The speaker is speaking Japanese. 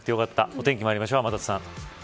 お天気まいりましょう。